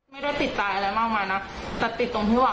ไม่ได้ติดใจอะไรมากมายนะแต่ติดตรงที่ว่า